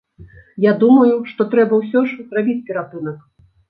Я думаю, што трэба ўсе ж зрабіць перапынак.